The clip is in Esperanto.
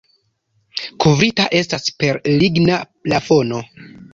Kovrita estas per ligna plafono.